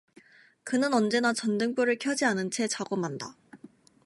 그는 언제나 전등불을 켜지 않은 채 자고 만다.